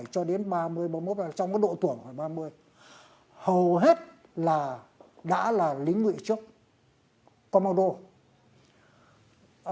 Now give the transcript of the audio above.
sáu mươi bảy cho đến ba mươi một trong các độ tuổi ba mươi hầu hết là đã là lính nguyện trước commodore